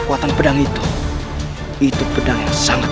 kalahkan makhluk these ingredients